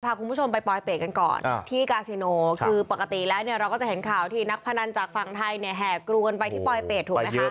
พาคุณผู้ชมไปปลอยเป็ดกันก่อนที่กาซิโนคือปกติแล้วเนี่ยเราก็จะเห็นข่าวที่นักพนันจากฝั่งไทยเนี่ยแห่กรูกันไปที่ปลอยเป็ดถูกไหมคะ